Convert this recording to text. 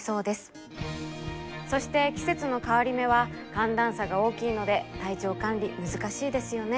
そして季節の変わり目は寒暖差が大きいので体調管理難しいですよね。